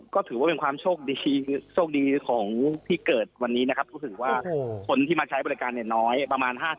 ก็ถือว่าเป็นความโชคดีของที่เกิดวันนี้นะครับรู้สึกว่าคนที่มาใช้บริการเนี่ยน้อยประมาณ๕๐